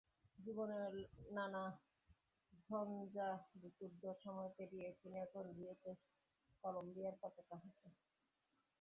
জীবনের নানা ঝঞ্ঝাবিক্ষুব্ধ সময় পেরিয়ে তিনি এখন রিওতে, কলম্বিয়ার পতাকা হাতে।